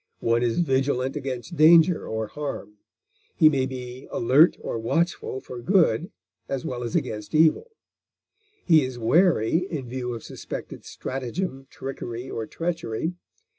One is vigilant against danger or harm; he may be alert or watchful for good as well as against evil; he is wary in view of suspected stratagem, trickery, or treachery.